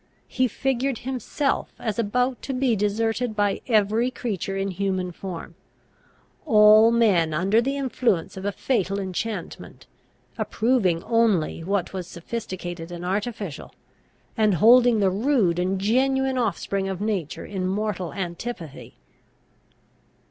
He figured himself as about to be deserted by every creature in human form; all men, under the influence of a fatal enchantment, approving only what was sophisticated and artificial, and holding the rude and genuine offspring of nature in mortal antipathy.